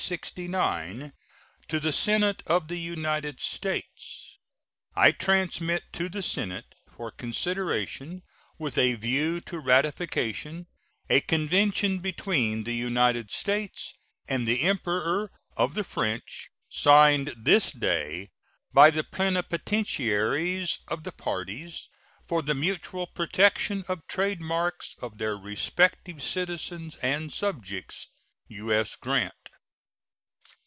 To the Senate of the United States: I transmit to the Senate, for consideration with a view to ratification, a convention between the United States and the Emperor of the French, signed this day by the plenipotentiaries of the parties, for the mutual protection of trade marks of their respective citizens and subjects. U.S. GRANT.